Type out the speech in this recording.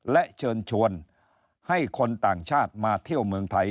และเชิญชวนให้คนต่างชาติมาเที่ยวเมืองไทย